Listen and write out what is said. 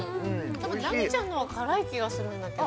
◆ナギちゃんのは、辛い気がするんだけど。